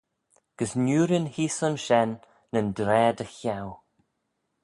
Gys niurin heese aynshen nyn draa dy cheau.